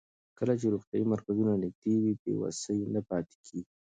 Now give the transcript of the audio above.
کله چې روغتیايي مرکزونه نږدې وي، بې وسۍ نه پاتې کېږي.